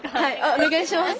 お願いします。